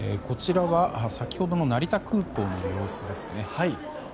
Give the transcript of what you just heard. こちらは先ほどの成田空港の様子ですね。